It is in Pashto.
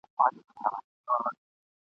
چي تر کور پوري به وړي د سپیو سپکه ..